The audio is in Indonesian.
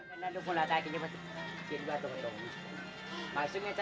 ada beberapa yang memiliki tugas yang berbeda